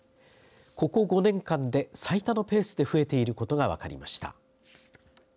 ここ５年間で最多のペースで増えていることが分かりました。